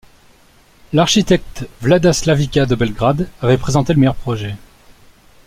L'architecte Vlada Slavica de Belgrade avait présenté le meilleur projet.